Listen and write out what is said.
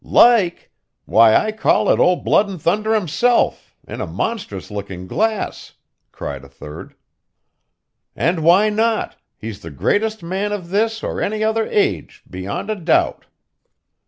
'Like! why, I call it Old Blood and Thunder himself, in a monstrous looking glass!' cried a third. 'And why not? He's the greatest man of this or any other age, beyond a doubt.